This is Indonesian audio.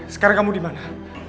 sekarang kamu dimana